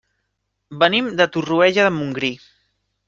Venim de Torroella de Montgrí.